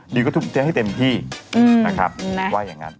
ดิวก็ทำให้เต็มที่นะครับว่าอย่างนั้น